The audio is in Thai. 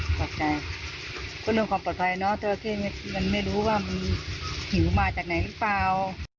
ความปลอดภัยเป็นอย่างความปลอดภัยนะเจอราเข้จริงไม่รู้ว่ามีหิวมาจากไหนรึเปล่า